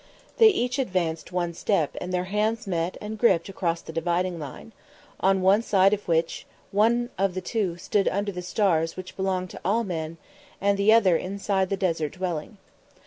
They each advanced one step and their hands met and gripped across the little dividing line, on one side of which, one of the two stood under the stars which belong to all men, and the other inside the desert dwelling.